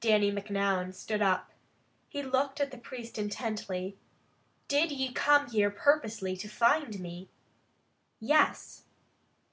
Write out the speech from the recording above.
Dannie Macnoun stood up. He looked at the priest intently. "Did ye come here purposely to find me?" "Yes."